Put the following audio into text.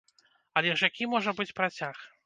Але ж які можа быць працяг?